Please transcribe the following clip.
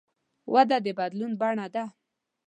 وده د بدلون بڼه ده.